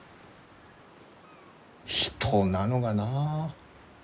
人なのがなあ。